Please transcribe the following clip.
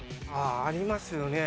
ありますよね。